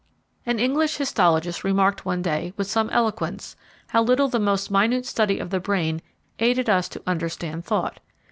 An English histologist remarked one day, with some eloquence, how little the most minute study of the brain aided us to understand thought.